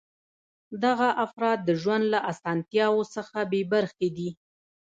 دغه افراد د ژوند له اسانتیاوو څخه بې برخې دي.